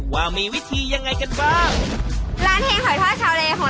ว่ามีวิธียังไงกันบ้าง